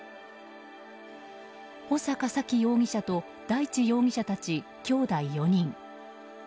穂坂沙喜容疑者と大地容疑者たちきょうだい４人。